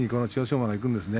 馬がいくんですね。